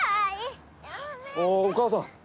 お母さん。